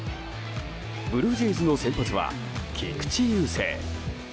ブルージェイズの先発は菊池雄星。